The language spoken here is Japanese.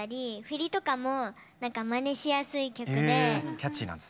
キャッチーなんですね。